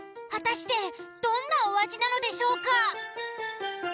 果たしてどんなお味なのでしょうか？